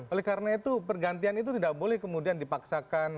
oleh karena itu pergantian itu tidak boleh kemudian dipaksakan